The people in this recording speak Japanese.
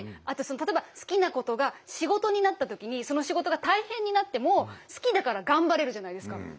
あとその例えば好きなことが仕事になった時にその仕事が大変になっても好きだから頑張れるじゃないですか。